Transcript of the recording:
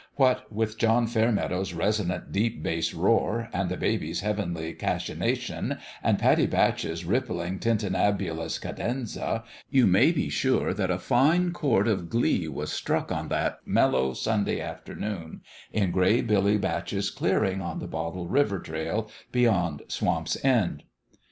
What with John Fair meadow's resonant, deep bass roar, and the baby's heavenly cachination, and Pattie Batch's rippling, tintinnabulous cadenza, you may be sure that a fine chord of glee was struck on that mellow Sunday afternoon in Gray Billy Batch's clearing on the Bottle River trail beyond Swamp's End.